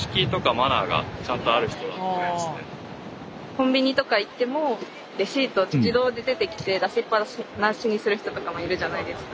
コンビニとか行ってもレシート自動で出てきて出しっぱなしにする人とかもいるじゃないですか。